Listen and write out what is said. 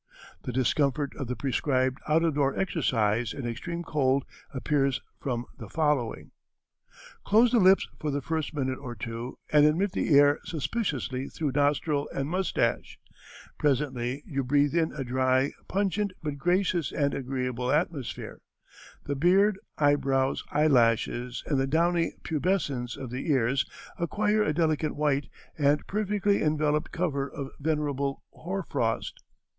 The discomfort of the prescribed out of door exercise in extreme cold appears from the following: [Illustration: A Sleeping bag for Three Men.] "Close the lips for the first minute or two and admit the air suspiciously through nostril and mustache. Presently you breathe in a dry, pungent but gracious and agreeable atmosphere. The beard, eyebrows, eyelashes, and the downy pubescence of the ears acquire a delicate white and perfectly enveloped cover of venerable hoar frost.